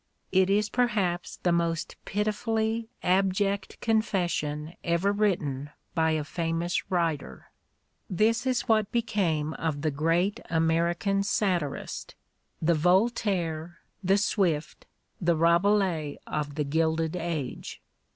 It is perhaps the most pitifully abject confession ever written by a famous writer. This is what became of the great American satirist, the Voltaire, the Swift, the Rabelais of the Gilded Age.